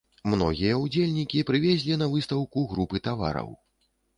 Многія ўдзельнікі прывезлі на выстаўку групы тавараў.